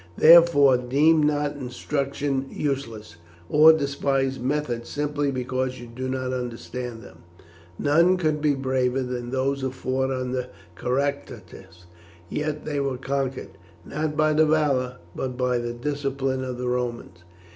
Therefore deem not instruction useless, or despise methods simply because you do not understand them. None could be braver than those who fought under Caractacus, yet they were conquered, not by the valour, but by the discipline of the Romans.